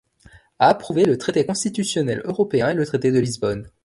A approuvé le traité constitutionnel européen et le traité de Lisbonne.